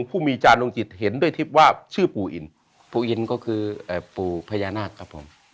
ผู้มีจานลงจิตเห็นด้วยทิพย์ว่าชื่อปู่อินปู่อินก็คือปู่พญานาคครับผม